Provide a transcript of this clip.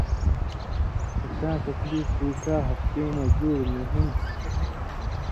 کہ څاں تکلیف دُو ڇا ہفتیُوں مہ جُوڑ نی ہُوند